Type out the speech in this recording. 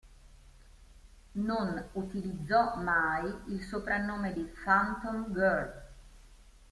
Non utilizzò mai il soprannome di "Phantom Girl".